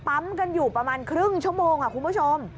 ปั๊มกันอยู่ประมาณครึ่งชั่วโมงคุณผู้ชม